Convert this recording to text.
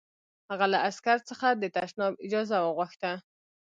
هغه له عسکر څخه د تشناب اجازه وغوښته